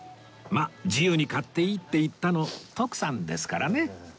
まあ自由に買っていいって言ったの徳さんですからね